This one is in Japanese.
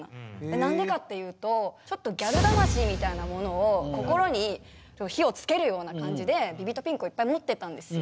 何でかっていうとちょっとギャル魂みたいなものを心に火をつけるような感じでビビッドピンクをいっぱい持ってたんですよ。